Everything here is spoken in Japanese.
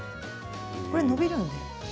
これ伸びるんで。